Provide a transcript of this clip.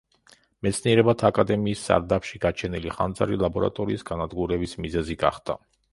მეცნიერებათა აკადემიის სარდაფში გაჩენილი ხანძარი ლაბორატორიის განადგურების მიზეზი გახდა.